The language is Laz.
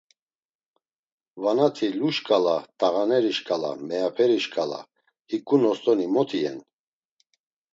Vanati lu şǩala, t̆ağaneri şǩala, meyaperi şǩala hiǩu nostoni mot iyen?